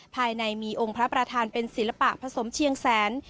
ภายในมีองค์พระประธานเป็นศิลปะผสมเชียงแสน